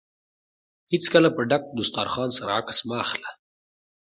هېڅکله په ډک دوسترخان سره عکس مه اخله.